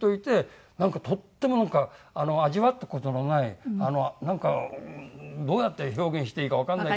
とってもなんか味わった事のないなんかどうやって表現していいかわからない。